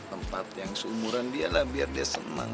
tempat yang seumuran dia lah biar dia senang